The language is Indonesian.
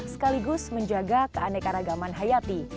sekaligus menjaga keanekaragaman hayati